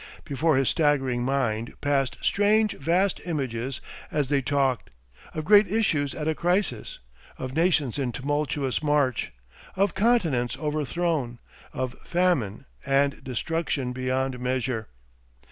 Before his staggering mind passed strange vast images as they talked, of great issues at a crisis, of nations in tumultuous march, of continents overthrown, of famine and destruction beyond measure.